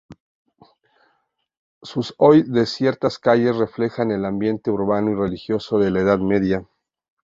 Sus hoy desiertas calles reflejan el ambiente urbano y religioso de la Edad Media.